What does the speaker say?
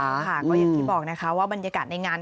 ค่ะก็อย่างที่บอกนะคะว่าบรรยากาศในงาน